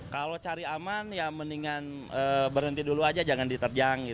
kalau cari aman ya mendingan berhenti dulu aja jangan diterjang